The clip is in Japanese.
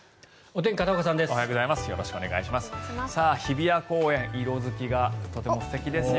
おはようございます。